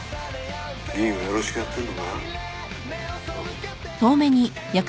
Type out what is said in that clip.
議員はよろしくやってんのか？